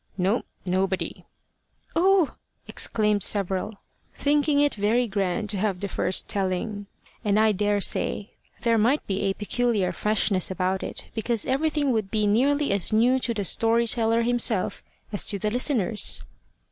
"No, nobody." "Oh!" exclaimed several, thinking it very grand to have the first telling; and I daresay there might be a peculiar freshness about it, because everything would be nearly as new to the story teller himself as to the listeners.